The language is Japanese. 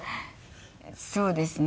そうですね。